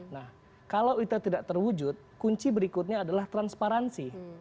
nah kalau itu tidak terwujud kunci berikutnya adalah transparansi